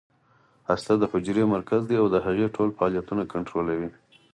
هسته د حجرې مرکز دی او د هغې ټول فعالیتونه کنټرولوي